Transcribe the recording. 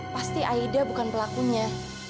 pasti aida bukan pelakunya